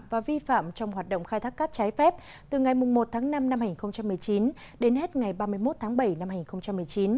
và vi phạm trong hoạt động khai thác cát trái phép từ ngày một tháng năm năm hai nghìn một mươi chín đến hết ngày ba mươi một tháng bảy năm hai nghìn một mươi chín